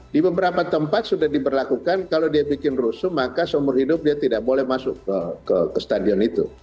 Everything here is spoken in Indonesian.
di beberapa tempat sudah diberlakukan kalau dia bikin rusuh maka seumur hidup dia tidak boleh masuk ke stadion itu